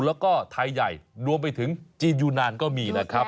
แล้วก็ไทยใหญ่รวมไปถึงจีนยูนานก็มีนะครับ